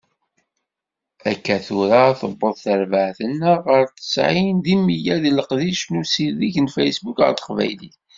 Akka tura tewweḍ terbaɛt-nneɣ ɣer tesɛin di meyya deg leqdic n usideg n Facebook ɣer teqbaylit.